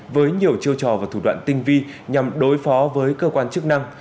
với nhiều chiêu trò và thủ đoạn tinh vi nhằm đối phó với cơ quan chức năng